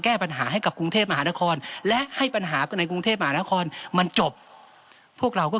แก้ปัญหาให้กับกรุงเทพมหานครและให้ปัญหาคนในกรุงเทพมหานครมันจบพวกเราก็